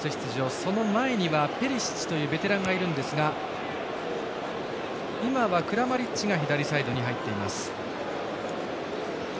その前にはペリシッチというベテランがいるんですが今はクラマリッチが左サイドに入っています。